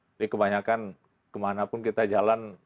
jadi kebanyakan kemana pun kita jalan